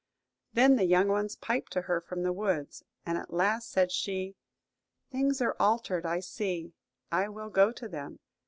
Then the young ones piped to her from the woods; and at last said she, "Things are altered, I see; I will go to them!"